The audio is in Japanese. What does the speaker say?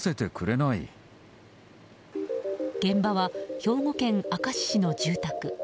現場は兵庫県明石市の住宅。